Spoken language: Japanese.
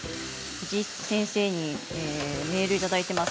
藤井先生にメールがきています。